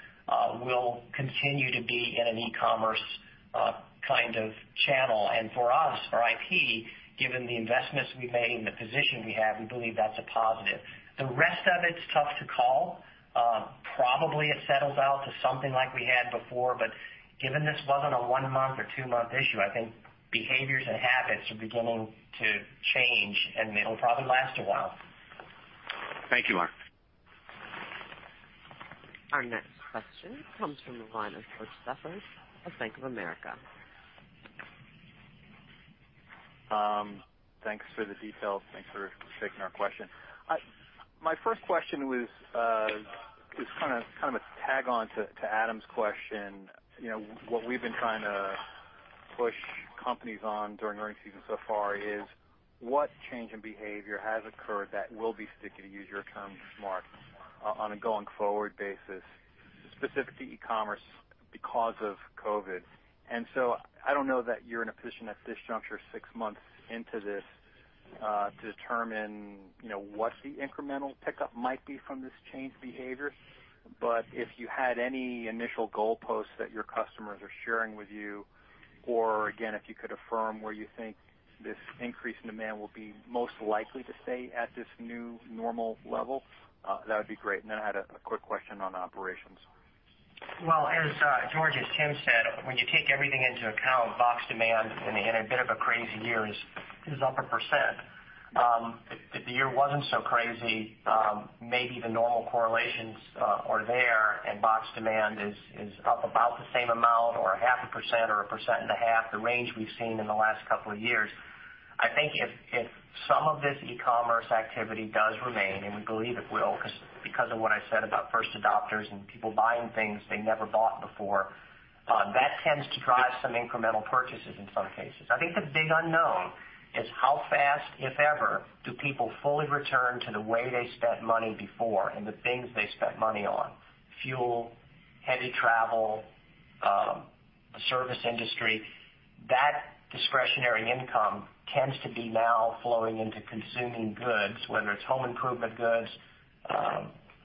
Speaker 3: will continue to be in an e-commerce kind of channel. And for us, for IP, given the investments we've made and the position we have, we believe that's a positive. The rest of it's tough to call. Probably it settles out to something like we had before. But given this wasn't a one-month or two-month issue, I think behaviors and habits are beginning to change. And it'll probably last a while. Thank you, Mark.
Speaker 1: Our next question comes from the line of George Staphos of Bank of America.
Speaker 8: Thanks for the details. Thanks for taking our question. My first question was kind of a tag on to Adam's question. What we've been trying to push companies on during earnings season so far is what change in behavior has occurred that will be sticky, to use your terms, Mark, on a going-forward basis, specifically e-commerce because of COVID. And so I don't know that you're in a position at this juncture, six months into this, to determine what the incremental pickup might be from this changed behavior. But if you had any initial goalposts that your customers are sharing with you, or again, if you could affirm where you think this increase in demand will be most likely to stay at this new normal level, that would be great. And then I had a quick question on operations.
Speaker 3: Well, as George and Tim said, when you take everything into account, box demand in a bit of a crazy year is up 1%. If the year wasn't so crazy, maybe the normal correlations are there, and box demand is up about the same amount or 0.5% or 1.5%, the range we've seen in the last couple of years. I think if some of this e-commerce activity does remain, and we believe it will because of what I said about first adopters and people buying things they never bought before, that tends to drive some incremental purchases in some cases. I think the big unknown is how fast, if ever, do people fully return to the way they spent money before and the things they spent money on: fuel, heavy travel, the service industry. That discretionary income tends to be now flowing into consuming goods, whether it's home improvement goods,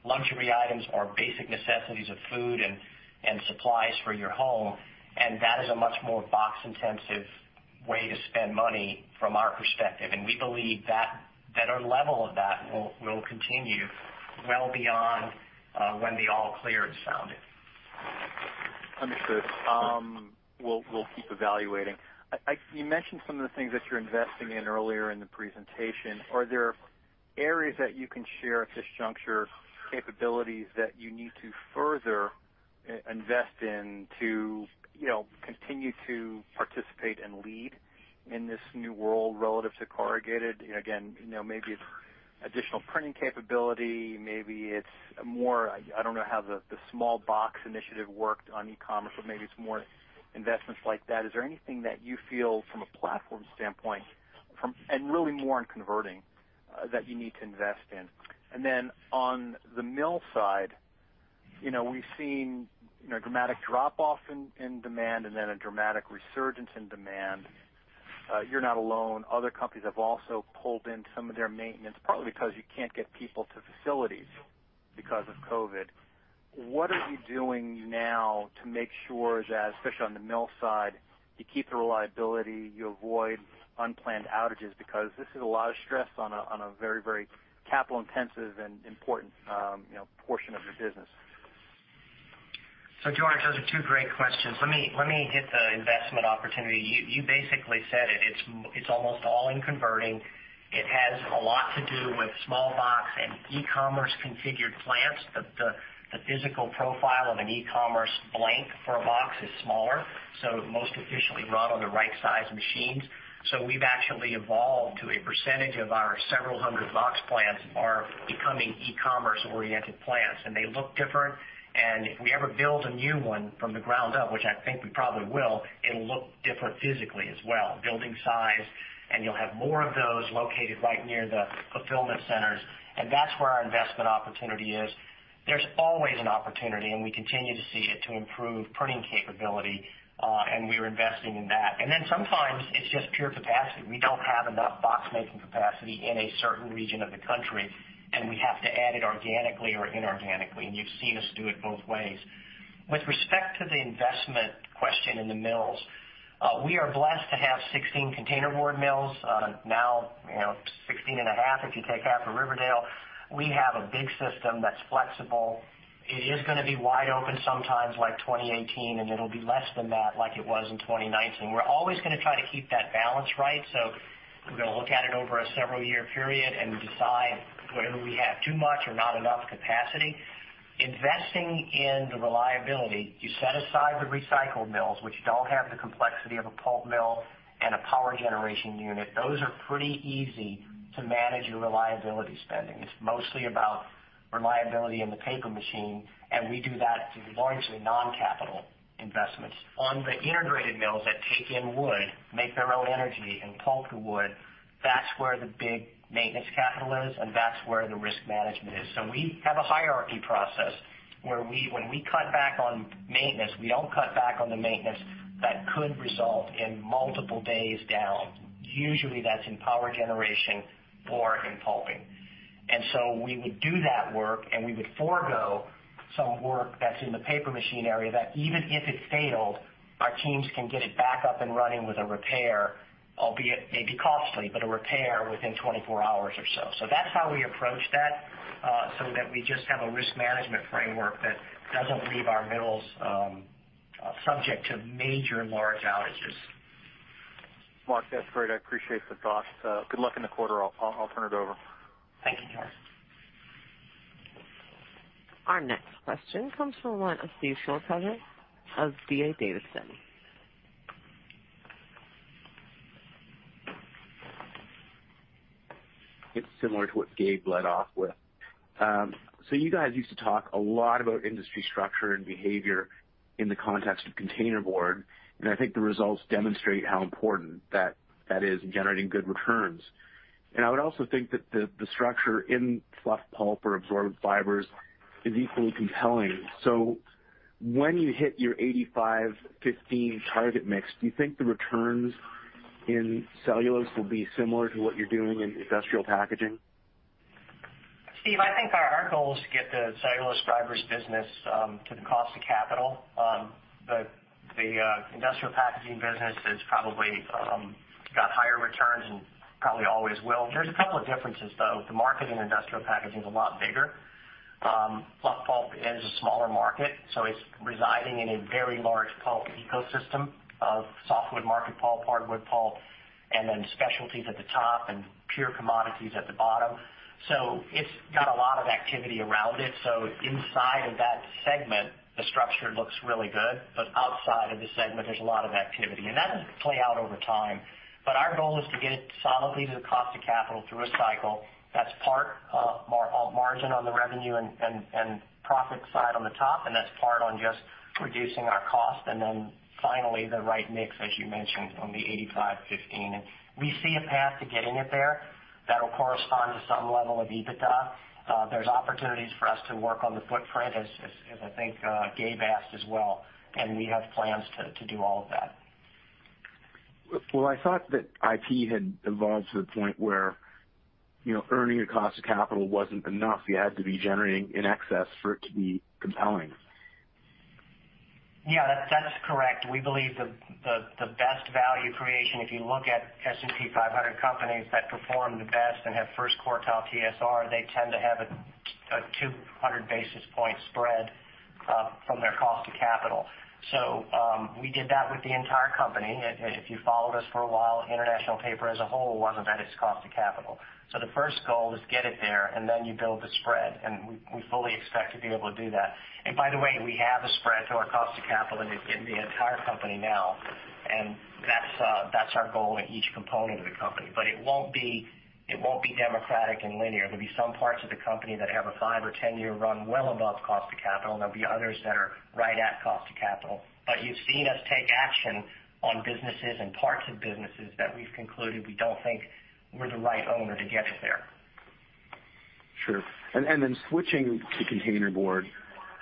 Speaker 3: luxury items, or basic necessities of food and supplies for your home. And that is a much more box-intensive way to spend money from our perspective. And we believe that our level of that will continue well beyond when the all-clear is sounded.
Speaker 8: Understood. We'll keep evaluating. You mentioned some of the things that you're investing in earlier in the presentation. Are there areas that you can share at this juncture, capabilities that you need to further invest in to continue to participate and lead in this new world relative to corrugated? Again, maybe it's additional printing capability. Maybe it's more - I don't know how the small box initiative worked on e-commerce, but maybe it's more investments like that. Is there anything that you feel, from a platform standpoint, and really more on converting, that you need to invest in? And then on the mill side, we've seen a dramatic drop-off in demand and then a dramatic resurgence in demand. You're not alone. Other companies have also pulled in some of their maintenance, partly because you can't get people to facilities because of COVID. What are you doing now to make sure, especially on the mill side, you keep the reliability, you avoid unplanned outages? Because this is a lot of stress on a very, very capital-intensive and important portion of your business.
Speaker 4: So George, those are two great questions. Let me hit the investment opportunity. You basically said it. It's almost all in converting. It has a lot to do with small box and e-commerce configured plants. The physical profile of an e-commerce blank for a box is smaller, so most efficiently run on the right-sized machines. So we've actually evolved to a percentage of our several hundred box plants are becoming e-commerce-oriented plants. And they look different. And if we ever build a new one from the ground up, which I think we probably will, it'll look different physically as well, building size. And you'll have more of those located right near the fulfillment centers. And that's where our investment opportunity is. There's always an opportunity, and we continue to see it, to improve printing capability. And we're investing in that. And then sometimes it's just pure capacity. We don't have enough box-making capacity in a certain region of the country, and we have to add it organically or inorganically. And you've seen us do it both ways. With respect to the investment question in the mills, we are blessed to have 16 containerboard mills, now 16 and a half if you take half of Riverdale. We have a big system that's flexible. It is going to be wide open sometimes, like 2018, and it'll be less than that like it was in 2019. We're always going to try to keep that balance right. So we're going to look at it over a several-year period and decide whether we have too much or not enough capacity. Investing in the reliability, you set aside the recycled mills, which don't have the complexity of a pulp mill and a power generation unit. Those are pretty easy to manage your reliability spending. It's mostly about reliability in the paper machine. And we do that through largely non-capital investments. On the integrated mills that take in wood, make their own energy, and pulp the wood, that's where the big maintenance capital is, and that's where the risk management is. So we have a hierarchy process where when we cut back on maintenance, we don't cut back on the maintenance that could result in multiple days down. Usually, that's in power generation or in pulping. And so we would do that work, and we would forgo some work that's in the paper machine area that, even if it failed, our teams can get it back up and running with a repair, albeit maybe costly, but a repair within 24 hours or so. So that's how we approach that so that we just have a risk management framework that doesn't leave our mills subject to major and large outages.
Speaker 8: Mark, that's great. I appreciate the thoughts. Good luck in the quarter. I'll turn it over.
Speaker 4: Thank you, George.
Speaker 1: Our next question comes from one of the few, Steve Chercover of D.A. Davidson. It's similar to what Gabe led off with. So you guys used to talk a lot about industry structure and behavior in the context of containerboard. And I think the results demonstrate how important that is in generating good returns. And I would also think that the structure in fluff pulp or absorbent fibers is equally compelling. So when you hit your 85-15 target mix, do you think the returns in cellulose will be similar to what you're doing in Industrial Packaging?
Speaker 3: Steve, I think our goal is to get the cellulose fiber business to the cost of capital. The Industrial Packaging business has probably got higher returns and probably always will. There's a couple of differences, though. The market in Industrial Packaging is a lot bigger. Fluff pulp is a smaller market, so it's residing in a very large pulp ecosystem of softwood market pulp, hardwood pulp, and then specialties at the top and pure commodities at the bottom. So it's got a lot of activity around it. So inside of that segment, the structure looks really good. But outside of the segment, there's a lot of activity. And that will play out over time. But our goal is to get it solidly to the cost of capital through a cycle. That's part of our margin on the revenue and profit side on the top. And that's part on just reducing our cost. And then finally, the right mix, as you mentioned, on the 85-15. And we see a path to getting it there that'll correspond to some level of EBITDA. There's opportunities for us to work on the footprint, as I think Gabe asked as well. And we have plans to do all of that. Well, I thought that IP had evolved to the point where earning a cost of capital wasn't enough. You had to be generating in excess for it to be compelling. Yeah, that's correct. We believe the best value creation, if you look at S&P 500 companies that perform the best and have first quartile TSR, they tend to have a 200 basis points spread from their cost of capital. So we did that with the entire company. If you followed us for a while, International Paper as a whole wasn't at its cost of capital. So the first goal is to get it there, and then you build the spread. And we fully expect to be able to do that. And by the way, we have a spread to our cost of capital, and it's getting the entire company now. And that's our goal in each component of the company. But it won't be democratic and linear. There'll be some parts of the company that have a 5- or 10-year run well above cost of capital. There'll be others that are right at cost of capital. But you've seen us take action on businesses and parts of businesses that we've concluded we don't think we're the right owner to get it there. Sure. And then switching to containerboard,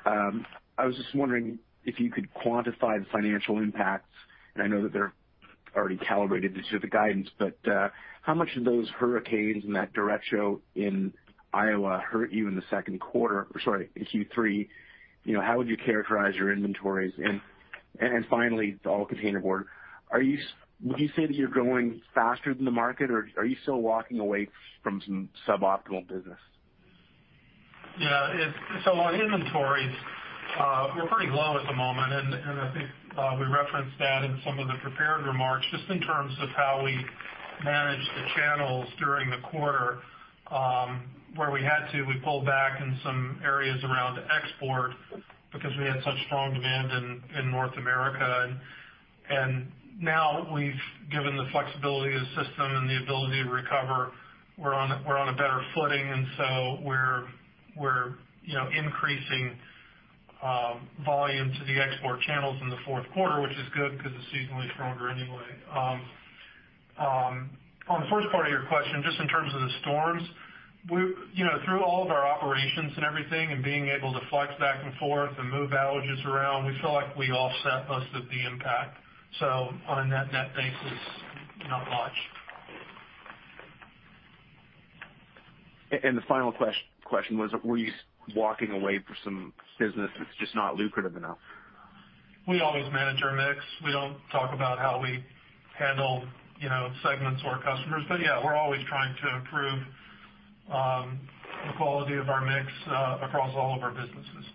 Speaker 3: I was just wondering if you could quantify the financial impacts. And I know that they're already calibrated into the guidance, but how much of those hurricanes and that derecho in Iowa hurt you in the second quarter or, sorry, in Q3? How would you characterize your inventories? And finally, all containerboard, would you say that you're growing faster than the market, or are you still walking away from some suboptimal business?
Speaker 4: Yeah. So on inventories, we're pretty low at the moment. And I think we referenced that in some of the prepared remarks just in terms of how we managed the channels during the quarter. Where we had to, we pulled back in some areas around export because we had such strong demand in North America. And now, given the flexibility of the system and the ability to recover, we're on a better footing. And so we're increasing volume to the export channels in the fourth quarter, which is good because it's seasonally stronger anyway. On the first part of your question, just in terms of the storms, through all of our operations and everything and being able to flex back and forth and move outages around, we feel like we offset most of the impact. So on a net-net basis, not much. And the final question was, were you walking away from some business that's just not lucrative enough? We always manage our mix. We don't talk about how we handle segments or customers. But yeah, we're always trying to improve the quality of our mix across all of our businesses.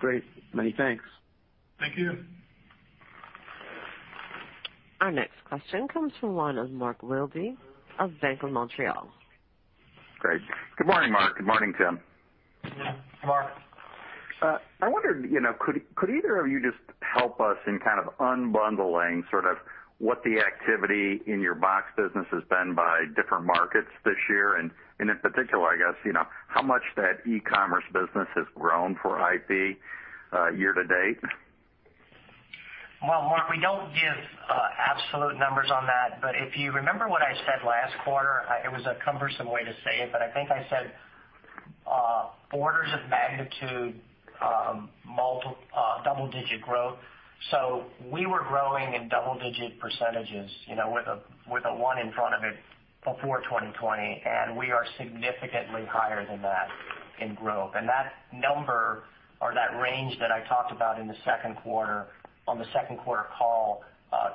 Speaker 4: Great. Many thanks. Thank you.
Speaker 1: Our next question comes from one of Mark Wilde of Bank of Montreal. Great. Good morning, Mark. Good morning, Tim.
Speaker 4: Hey, Mark. I wondered, could either of you just help us in kind of unbundling sort of what the activity in your box business has been by different markets this year? And in particular, I guess, how much that e-commerce business has grown for IP year to date?
Speaker 3: Well, Mark, we don't give absolute numbers on that. But if you remember what I said last quarter, it was a cumbersome way to say it, but I think I said orders of magnitude double-digit growth. So we were growing in double-digit percentages with a 1 in front of it before 2020. And we are significantly higher than that in growth. And that number or that range that I talked about in the second quarter on the second quarter call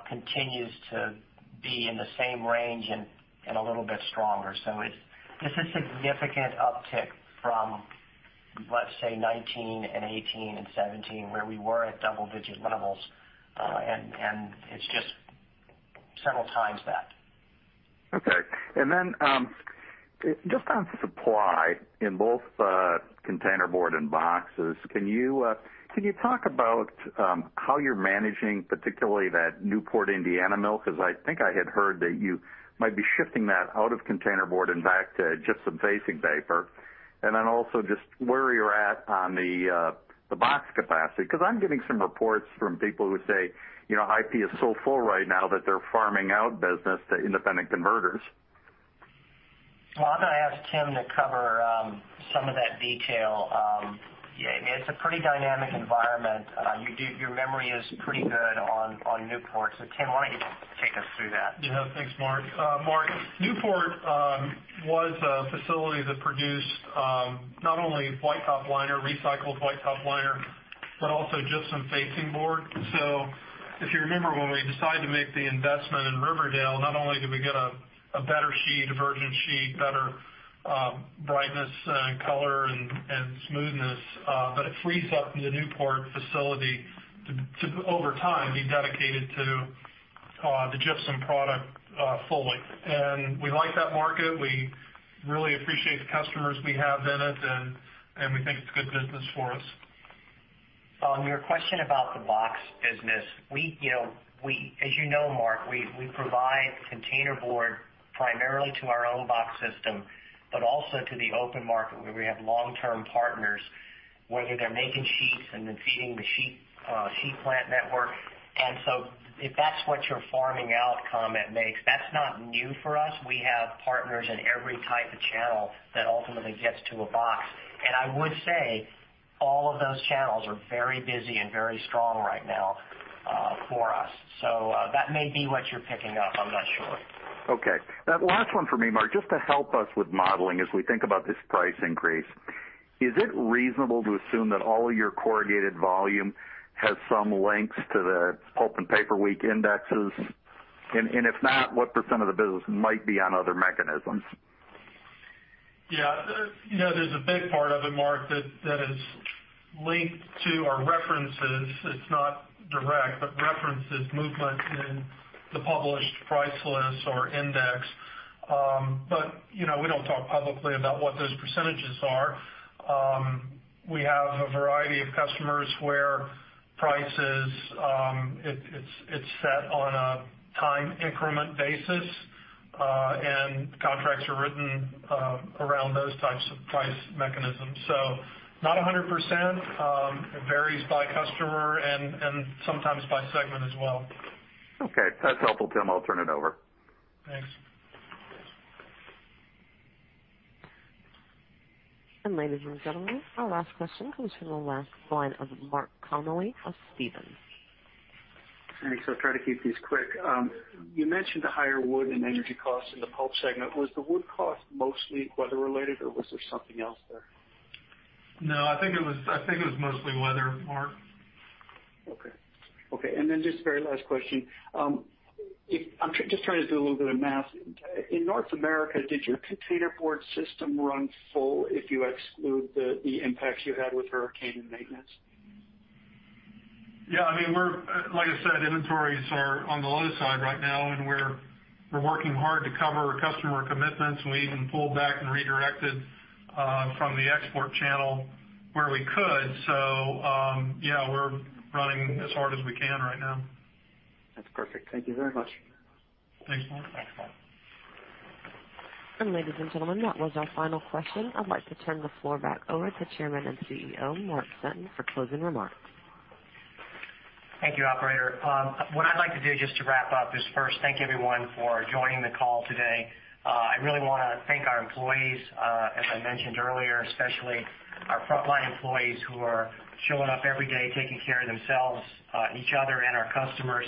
Speaker 3: continues to be in the same range and a little bit stronger. So this is a significant uptick from, let's say, 2019 and 2018 and 2017, where we were at double-digit levels. And it's just several times that. Okay. And then just on supply in both containerboard and boxes, can you talk about how you're managing, particularly that Newport, Indiana mill? Because I think I had heard that you might be shifting that out of containerboard and back to gypsum-facing paper. And then also just where you're at on the box capacity. Because I'm getting some reports from people who say IP is so full right now that they're farming out business to independent converters. Well, I'm going to ask Tim to cover some of that detail. It's a pretty dynamic environment. Your memory is pretty good on Newport. So Tim, why don't you take us through that?
Speaker 4: Yeah, thanks, Mark. Mark, Newport was a facility that produced not only white top liner, recycled white top liner, but also gypsum-facing paper. If you remember when we decided to make the investment in Riverdale, not only did we get a better sheet, a virgin sheet, better brightness, color, and smoothness, but it frees up the Newport facility to, over time, be dedicated to the gypsum product fully. We like that market. We really appreciate the customers we have in it, and we think it's good business for us.
Speaker 3: On your question about the box business, as you know, Mark, we provide containerboard primarily to our own box system, but also to the open market where we have long-term partners, whether they're making sheets and then feeding the sheet plant network. If that's what you're farming out, comment makes, that's not new for us. We have partners in every type of channel that ultimately gets to a box. And I would say all of those channels are very busy and very strong right now for us. So that may be what you're picking up. I'm not sure. Okay. That last one for me, Mark, just to help us with modeling as we think about this price increase, is it reasonable to assume that all of your corrugated volume has some links to the Pulp & Paper Week indexes? And if not, what % of the business might be on other mechanisms?
Speaker 4: Yeah. There's a big part of it, Mark, that is linked to our references. It's not direct, but references movement in the published price list or index. But we don't talk publicly about what those percentages are. We have a variety of customers where prices, it's set on a time increment basis, and contracts are written around those types of price mechanisms. So not 100%. It varies by customer and sometimes by segment as well. Okay. That's helpful, Tim. I'll turn it over. Thanks.
Speaker 1: And ladies and gentlemen, our last question comes from the last line of Mark Connelly of Stephens Inc. Thanks. I'll try to keep these quick. You mentioned the higher wood and energy costs in the pulp segment. Was the wood cost mostly weather-related, or was there something else there?
Speaker 4: No, I think it was mostly weather, Mark. Okay. Okay. And then just very last question. I'm just trying to do a little bit of math. In North America, did your containerboard system run full if you exclude the impacts you had with hurricane and maintenance? Yeah. I mean, like I said, inventories are on the low side right now, and we're working hard to cover customer commitments. We even pulled back and redirected from the export channel where we could. So yeah, we're running as hard as we can right now. That's perfect. Thank you very much. Thanks, Mark.
Speaker 3: Thanks, Mark.
Speaker 1: And ladies and gentlemen, that was our final question. I'd like to turn the floor back over to Chairman and CEO Mark Sutton for closing remarks.
Speaker 3: Thank you, Operator. What I'd like to do just to wrap up is first thank everyone for joining the call today. I really want to thank our employees, as I mentioned earlier, especially our frontline employees who are showing up every day, taking care of themselves, each other, and our customers.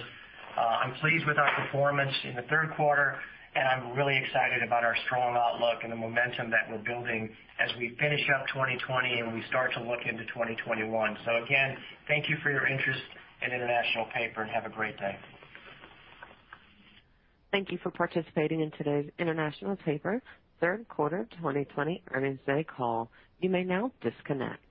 Speaker 3: I'm pleased with our performance in the third quarter, and I'm really excited about our strong outlook and the momentum that we're building as we finish up 2020 and we start to look into 2021. So again, thank you for your interest in International Paper, and have a great day.
Speaker 1: Thank you for participating in today's International Paper third quarter 2020 earnings conference call. You may now disconnect.